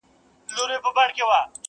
د سیند پر غاړه به زنګیږي ونه!.